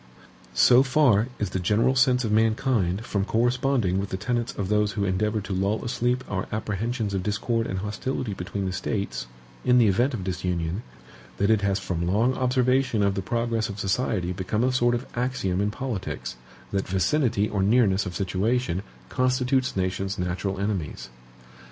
So far is the general sense of mankind from corresponding with the tenets of those who endeavor to lull asleep our apprehensions of discord and hostility between the States, in the event of disunion, that it has from long observation of the progress of society become a sort of axiom in politics, that vicinity or nearness of situation, constitutes nations natural enemies.